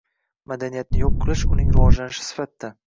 madaniyatni yo‘q qilish – uning rivojlanishi sifatida;